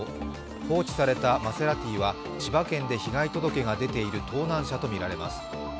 放置されたマセラティは千葉県で被害届が出ている盗難車とみられます。